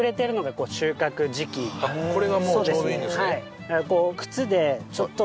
これがもうちょうどいいんですね